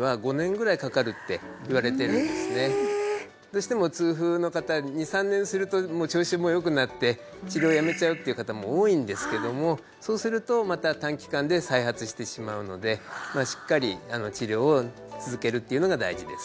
どうしても痛風の方２３年すると調子もよくなって治療をやめちゃうっていう方も多いんですけどもそうするとまた短期間で再発してしまうのでしっかり治療を続けるっていうのが大事です